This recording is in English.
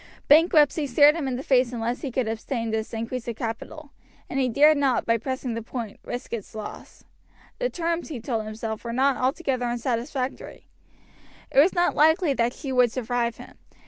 Bankruptcy stared him in the face unless he could obtain this increase of capital, and he dared not, by pressing the point, risk its loss. The terms, he told himself, were not altogether unsatisfactory; it was not likely that she would survive him.